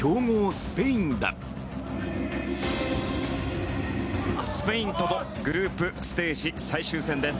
スペインとのグループステージ最終戦です。